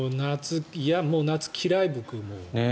もう夏、嫌い、僕。